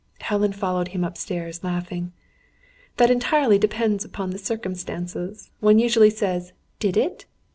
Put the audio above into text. Helen followed him upstairs, laughing. "That entirely depends upon circumstances. One usually says: 'Did it?'